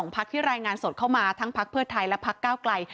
พักที่รายงานสดเข้ามาทั้งพักเพื่อไทยและพักก้าวไกล